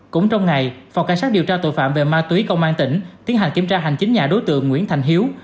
cũng trong ngày phòng cảnh sát điều tra tội phạm về ma túy công an tỉnh tiến hành kiểm tra hành chính nhà đối tượng nguyễn thành hiếu